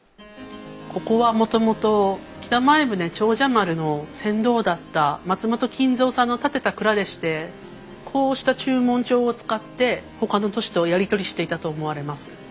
ここはもともと北前船長者丸の船頭だった松本金蔵さんの建てた蔵でしてこうした註文帳を使ってほかの都市とやり取りしていたと思われます。